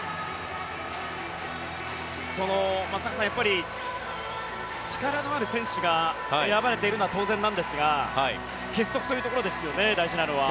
松坂さん、やっぱり力のある選手が選ばれているのは当然なんですが結束というところですよね大事なのは。